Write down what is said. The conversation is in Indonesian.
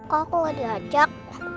kok gak di ajak